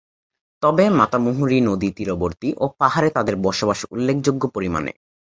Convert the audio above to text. তবে মাতামুহুরী নদী তীরবর্তী ও পাহাড়ে তাদের বসবাস উল্লেখ্যযোগ্য পরিমাণে।